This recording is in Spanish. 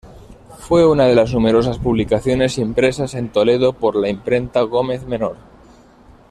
Fue una de las numerosas publicaciones impresas en Toledo por la Imprenta Gómez Menor.